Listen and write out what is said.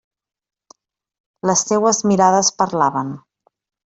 Les seues mirades parlaven.